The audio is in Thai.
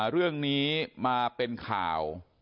เรื่องนี้มาเป็นข่าว